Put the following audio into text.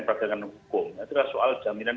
perhatian hukum itu adalah soal jaminan